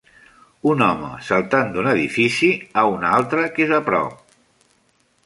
un home saltant d'un edifici a un altre que és a prop